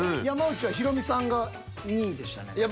山内はヒロミさんが２位でしたね。